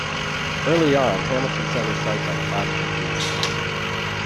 Early on, Hamilton set her sights on classical theater.